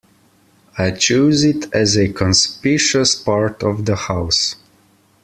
I chose it as a conspicuous part of the house.